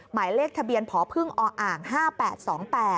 หมายเลขทะเบียนผอพึ่งอ่าง๕๘๒๘